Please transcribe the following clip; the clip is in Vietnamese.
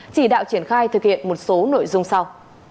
chỉ đạo triển khai thực hiện một số nội dung sau